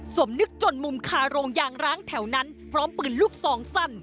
สมนึกจนมุมคาโรงยางร้างแถวนั้นพร้อมปืนลูกซองสั้น